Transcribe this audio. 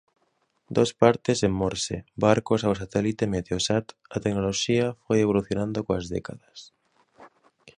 Dos partes en morse, barcos ao satélite Meteosat, a tecnoloxía foi evolucionando coas décadas.